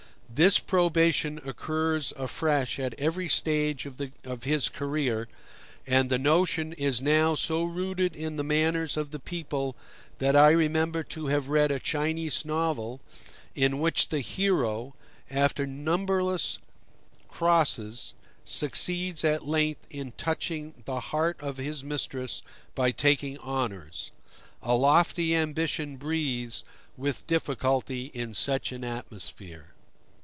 This probation occurs afresh at every stage of his career; and the notion is now so rooted in the manners of the people that I remember to have read a Chinese novel, in which the hero, after numberless crosses, succeeds at length in touching the heart of his mistress by taking honors. A lofty ambition breathes with difficulty in such an atmosphere.